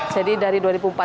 jadi dari dua ribu empat belas